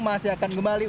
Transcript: masih akan kembali